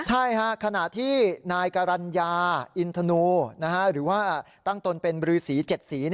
ใช่ค่ะขณะที่นายกรรณญาอินทนูหรือว่าตั้งตนเป็นบรือสี๗สี